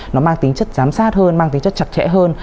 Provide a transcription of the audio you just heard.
nó mang tính chất giám sát hơn mang tính chất chặt chẽ hơn